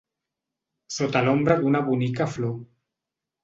Sota l’ombra d’una bonica flor.